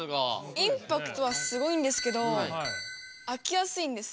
インパクトはすごいんですけど飽きやすいんですよ。